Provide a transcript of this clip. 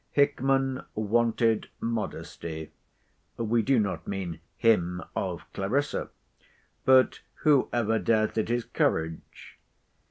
Hickman wanted modesty—we do not mean him of Clarissa—but who ever doubted his courage?